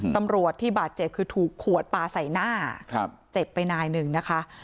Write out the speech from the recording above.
ตำรวจที่บาดเจ็บคือถูกขวดปลาใส่หน้าเจ็บไปนายหนึ่งนะคะ